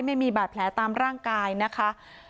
ไม่มีบาดแผลตามร่างกายนะคะ